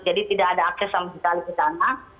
jadi tidak ada akses sama sekali ke sana